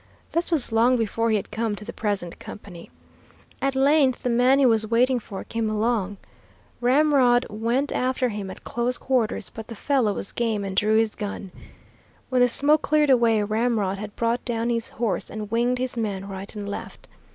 This was long before he had come to the present company. At length the man he was waiting for came along. Ramrod went after him at close quarters, but the fellow was game and drew his gun. When the smoke cleared away, Ramrod had brought down his horse and winged his man right and left.